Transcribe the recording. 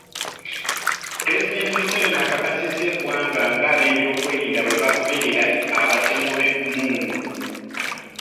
Pulezidenti Museveni akakasizza eggwanga ng’abeebyokwerinda bwe bagoberera abatemu b’emmundu.